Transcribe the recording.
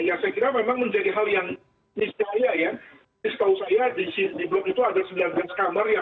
ya saya kira memang menjadi hal yang misalnya ya